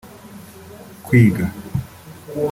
Kwiga